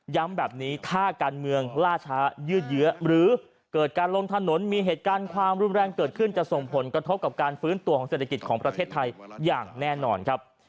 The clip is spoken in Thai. แบบนี้ถ้าการเมืองล่าช้ายืดเยื้อหรือเกิดการลงถนนมีเหตุการณ์ความรุนแรงเกิดขึ้นจะส่งผลกระทบกับการฟื้นตัวของเศรษฐกิจของประเทศไทยอย่างแน่นอนครับ